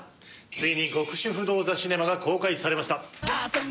ついに『極主夫道ザ・シネマ』が公開されました。